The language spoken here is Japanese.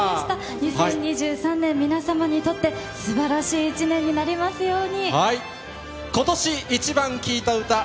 ２０２３年、皆様にとって、すばらしい１年になりますように。